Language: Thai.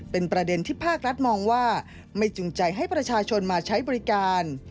เป็นประเด็นที่ภาครัฐมองว่าไม่จริงใจให้ประชาชนมาใช้บริการ